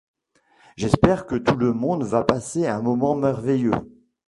J'espère que tout le monde va passer un moment merveilleux.